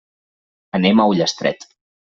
Anem a Ullastret.